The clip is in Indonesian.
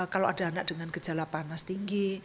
kalau ada anak dengan gejala panas tinggi